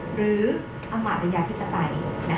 หรืออำมาตยาภิกษาไตย